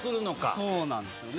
そうなんですよね。